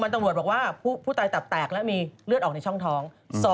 และก็มีเลือดออกในช่องท้อง